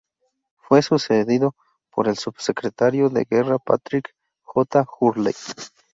Fue sucedido por el subsecretario de Guerra Patrick J. Hurley.